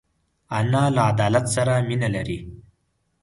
انا له عدالت سره مینه لري